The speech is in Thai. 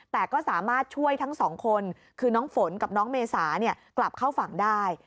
แต่ก็สามารถช่วยทั้งสองคนคือน้องฝนกับน้องเมษากลับเข้าฝั่งได้